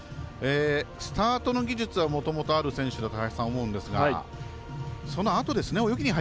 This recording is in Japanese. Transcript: スタートの技術はもともとある選手だと林さん、思うんですがそのあとですね。